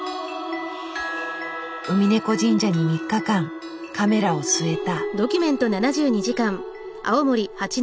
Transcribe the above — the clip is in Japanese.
ウミネコ神社に３日間カメラを据えた。